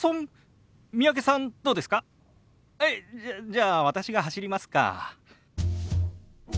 じゃあ私が走りますか。